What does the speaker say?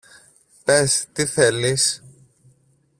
Πες, τι θέλεις;